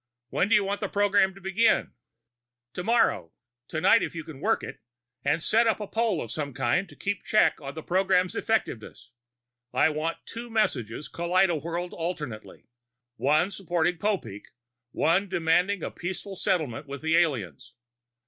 When do you want the program to begin?" "Tomorrow. Tonight, if you can work it. And set up a poll of some kind to keep check on the program's effectiveness. I want two messages kaleidowhirled alternately: one supporting Popeek, one demanding a peaceful settlement with the aliens.